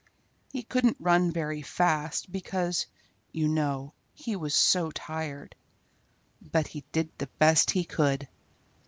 He couldn't run very fast, because, you know, he was so tired, but he did the best he could.